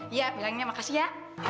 iya bilangin ya makasih ya